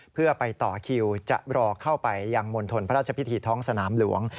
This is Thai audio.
เพื่อไปต่อคิวจะรอเข้าไปยังมณฑลพระราชพิธีท้องสนามหลวง